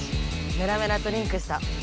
メラメラとリンクした。